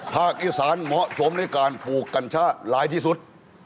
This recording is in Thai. ภาคอีสานเหมาะสมในการปลูกกัญชาหลายที่สุด